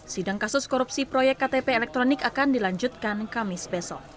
sidang kasus korupsi proyek ktp elektronik akan dilanjutkan kamis besok